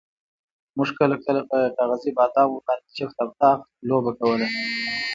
موږ کله کله په کاغذي بادامو باندې جفت او طاق لوبه کوله.